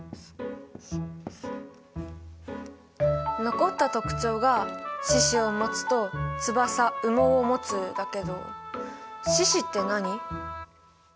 残った特徴が「四肢をもつ」と「翼・羽毛をもつ」だけど「四肢」って何？